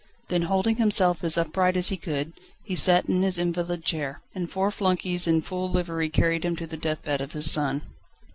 Then holding himself as upright as he could, he sat in his invalid chair, and four flunkeys in full livery carried him to the deathbed of his son.